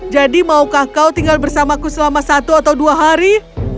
jadi maukah kau tinggal bersamaku selama satu atau dua hari